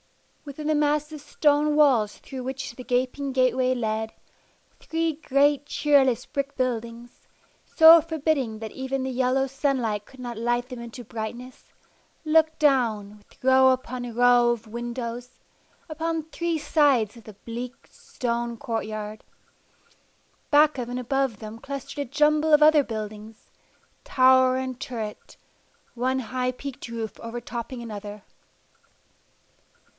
Within the massive stone walls through which the gaping gateway led, three great cheerless brick buildings, so forbidding that even the yellow sunlight could not light them into brightness, looked down, with row upon row of windows, upon three sides of the bleak, stone courtyard. Back of and above them clustered a jumble of other buildings, tower and turret, one high peaked roof overtopping another.